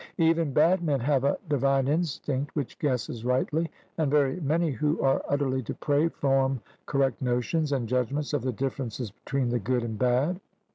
Even bad men have a divine instinct which guesses rightly, and very many who are utterly depraved form correct notions and judgments of the differences between the good and bad.